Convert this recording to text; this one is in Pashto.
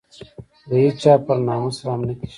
د هېچا پر ناموس رحم نه کېږي.